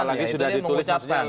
apalagi sudah ditulis maksudnya